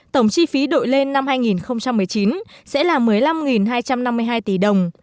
tổng chi phí đội lên năm hai nghìn một mươi chín sẽ là một mươi năm hai trăm năm mươi hai tỷ đồng